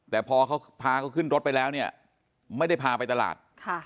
แต่พอเขาพาเขาขึ้นรถไปแล้วเนี่ยไม่ได้พาไปตลาด